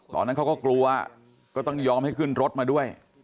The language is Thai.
ตอนนั้นเขาก็กลัวก็ต้องยอมให้ขึ้นรถมาด้วย